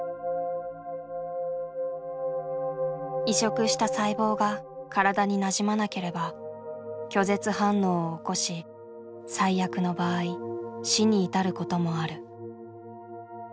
移植した細胞が体になじまなければ拒絶反応を起こし最悪の場合死に至ることもある。